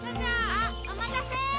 あっおまたせ！